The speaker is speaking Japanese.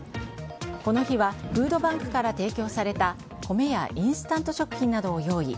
この日はフードバンクから提供された米やインスタント食品などを用意。